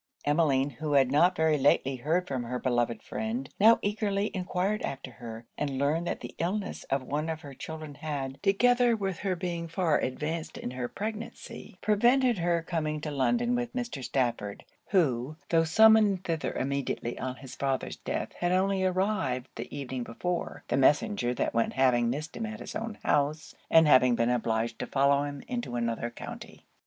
Emmeline, who had not very lately heard from her beloved friend, now eagerly enquired after her, and learned that the illness of one of her children had, together with her being far advanced in her pregnancy, prevented her coming to London with Mr. Stafford; who, tho' summoned thither immediately on his father's death, had only arrived the evening before; the messenger that went having missed him at his own house, and having been obliged to follow him into another county.